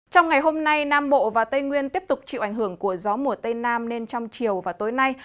trong ngày hôm nay nam bộ và tây nguyên tiếp tục chịu ảnh hưởng của gió mùa tây nam nên trong chiều và tối nay